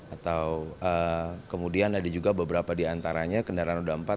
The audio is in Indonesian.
atau kemudian ada juga beberapa diantaranya kendaraan roda empat